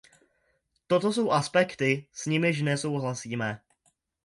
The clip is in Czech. Toto jsou aspekty, s nimiž nesouhlasíme.